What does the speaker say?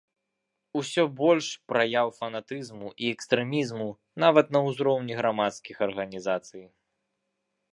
Усё больш праяў фанатызму і экстрэмізму нават на ўзроўні грамадскіх арганізацый.